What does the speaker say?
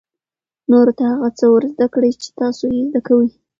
نورو ته هغه څه ور زده کړئ چې تاسو یې زده کوئ.